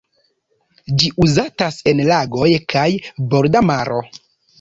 Ĝi uzatas en lagoj kaj borda maro.